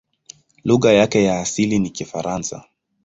Lugha yake ya asili ni Kifaransa.